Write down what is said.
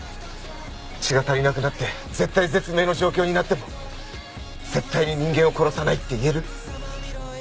血が足りなくなって絶体絶命の状況になっても絶対に人間を殺さないって言える？